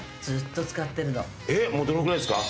もうどのぐらいですか？